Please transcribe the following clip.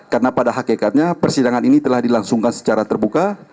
karena pada hakikatnya persidangan ini telah dilangsungkan secara terbuka